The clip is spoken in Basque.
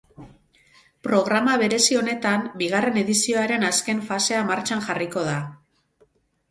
Programa berezi honetan bigarren edizioaren azken fasea martxan jarriko da.